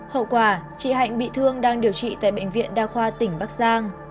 hậu quả chị hạnh bị thương đang điều trị tại bệnh viện đa khoa tỉnh bắc giang